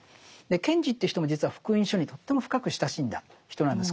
賢治っていう人も実は「福音書」にとても深く親しんだ人なんです